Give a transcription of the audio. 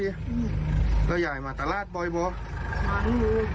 ยายมาจากตลาดบ่อยก็มาดู